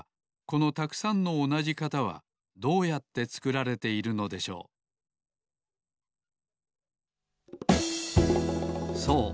このたくさんのおなじ型はどうやってつくられているのでしょうそう